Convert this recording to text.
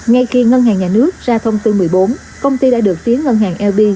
ngay khi ngân hàng nhà nước ra thông tư một mươi bốn công ty đã được tiến ngân hàng lp